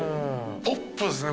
ポップですね